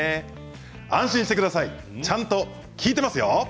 安心してください！ちゃんと聞いてますよ。